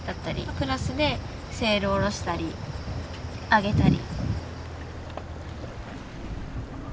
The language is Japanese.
プラスでセールを下ろしたり上げたり。